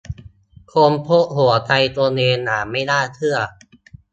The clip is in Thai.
ค้นพบหัวใจตัวเองอย่างไม่น่าเชื่อ